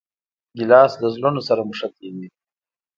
ګیلاس له زړونو سره نښتي وي.